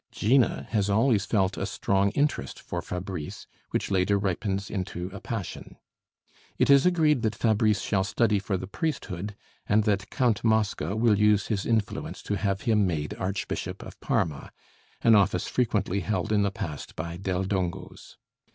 Gina has always felt a strong interest for Fabrice, which later ripens into a passion. It is agreed that Fabrice shall study for the priesthood, and that Count Mosca will use his influence to have him made Archbishop of Parma, an office frequently held in the past by Del Dongos.